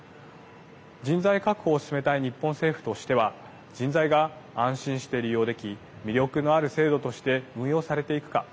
人材確保を進めたい日本政府としては人材が安心して利用でき魅力のある制度として運用されていくか。